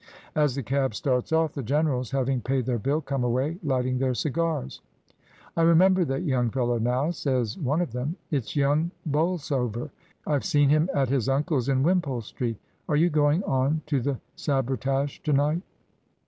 As the cab starts off, the generals, having paid their bill, come away, lighting their cigars. "I remember that young fellow now," says one of them. "It's young Bolsover; Fve seen him at his uncle's in Wimpole Street Are you going on to the Sabretash to night?"